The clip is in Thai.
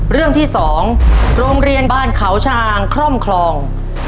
เรื่องที่๒โรงเรียนบ้านเขาชางคล่อมคลอง